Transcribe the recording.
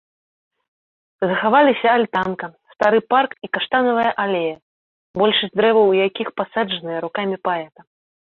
Захаваліся альтанка, стары парк і каштанавая алея, большасць дрэваў у якіх пасаджаныя рукамі паэта.